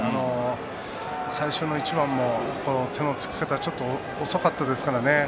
最初の一番も手のつき方が遅かったですからね。